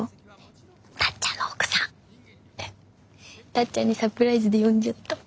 たっちゃんにサプライズで呼んじゃった。